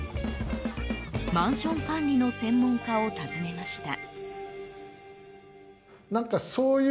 マンション管理の専門家を訪ねました。